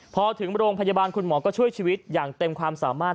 พอถึงโรงพยาบาลคุณหมอก็ช่วยชีวิตอย่างเต็มความสามารถ